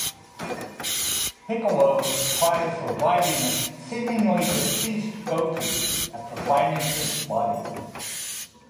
Piccolo tries reviving a seemingly deceased Goku after finding his body.